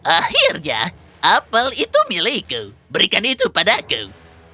akhirnya apel itu milikku berikan itu padaku